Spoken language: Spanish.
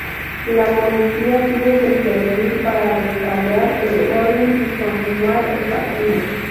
La policía tuvo que intervenir para restaurar el orden y continuar el partido.